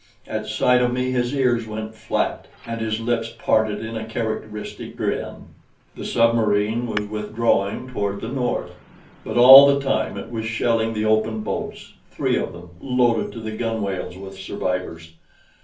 At sight of me his ears went flat, and his lips parted in a characteristic grin. The submarine was withdrawing toward the north, but all the time it was shelling the open boats, three of them, loaded to the gunwales with survivors.